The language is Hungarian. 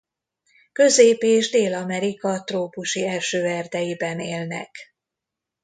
Közép- és Dél-Amerika trópusi esőerdeiben élnek.